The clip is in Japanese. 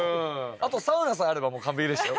あとサウナさえあればもう完璧でしたよ